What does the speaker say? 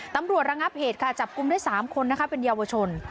ระงับเหตุค่ะจับกลุ่มได้๓คนนะคะเป็นเยาวชน